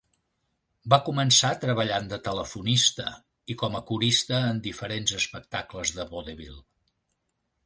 Va començar treballant de telefonista, i com a corista en diferents espectacles de vodevil.